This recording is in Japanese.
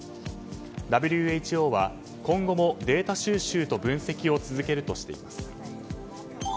ＷＨＯは今後もデータ収集と分析を続けるとしています。